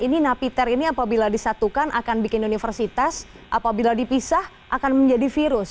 ini napiter ini apabila disatukan akan bikin universitas apabila dipisah akan menjadi virus